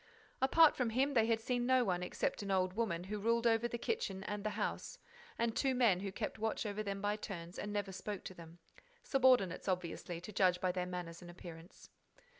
Apart from him, they had seen no one except an old woman, who ruled over the kitchen and the house, and two men, who kept watch over them by turns and never spoke to them: subordinates, obviously, to judge by their manners and appearance.